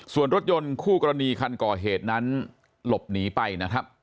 ส่วนรถยนต์คู่กรณีคันก่อเหตุนั้นหลบหนีไปนะครับ